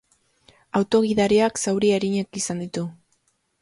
Auto-gidariak zauri arinak izan ditu.